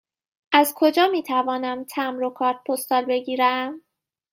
از کجا می توانم تمبر و کارت پستال بگیرم؟